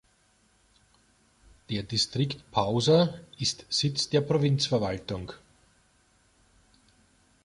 Der Distrikt Pausa ist Sitz der Provinzverwaltung.